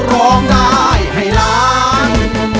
ร้องได้ให้ล้าน